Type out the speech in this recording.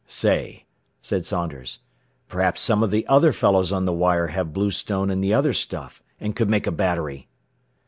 "Say," said Saunders, "perhaps some of the other fellows on the wire have bluestone and the other stuff, and could make a battery!"